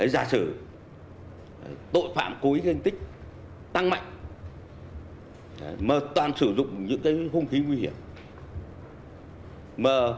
giả sử tội phạm cố ý kinh tích tăng mạnh toàn sử dụng những không khí nguy hiểm